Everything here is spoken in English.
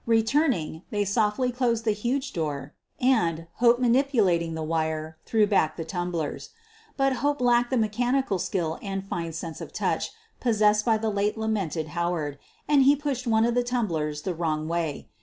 Returning, they softly closed the huge door and, Hope manipulating the wire, threw back the tumblers. But Hope lacked the mechrnical skill and fine sense of touch pos sessed by the late lamented Howard, and he pushed one of the tumblers the wrong way.